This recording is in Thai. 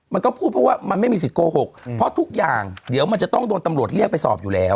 มันก็พูดเพราะว่ามันไม่มีสิทธิโกหกเพราะทุกอย่างเดี๋ยวมันจะต้องโดนตำรวจเรียกไปสอบอยู่แล้ว